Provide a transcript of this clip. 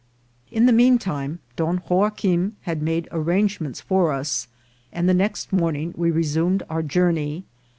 In the mean time Don Joaquim had made arrange ments for us, and the next morning we resumed our journey.